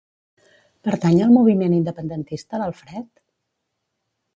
Pertany al moviment independentista l'Alfred?